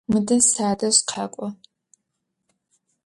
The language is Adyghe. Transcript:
Мыдэ садэжь къакӏо!